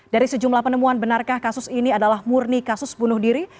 dari sejumlah penemuan benarkah kasus ini adalah murni kasus bunuh diri